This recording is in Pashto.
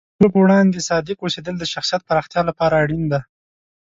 د ټولو په وړاندې صادق اوسیدل د شخصیت پراختیا لپاره اړین دی.